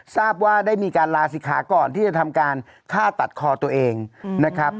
ทราบว่าได้มีการลาศิกขาก่อนที่จะทำการฆ่าตัดคอตัวเองนะครับ